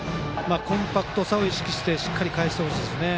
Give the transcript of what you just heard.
コンパクトさを意識して返してほしいです。